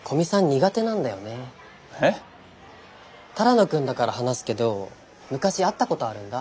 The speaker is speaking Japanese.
只野くんだから話すけど昔会ったことあるんだ。